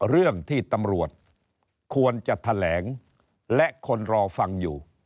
เรื่องที่ตำรวจควรจะแถลงและคนรอฟังอยู่